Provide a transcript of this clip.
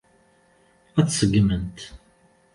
Ad t-ṣeggment.